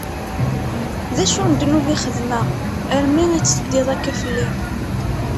D acu n ddnub i xedmeɣ armi i tt-teddiḍ akka fell-i?